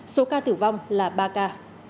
số ca tử vong là ba ca